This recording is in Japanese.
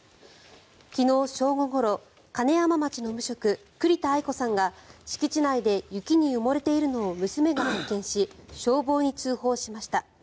昨日正午ごろ金山町の無職栗田アイコさんが敷地内で雪に埋もれているのを娘が発見し消防に通報しました。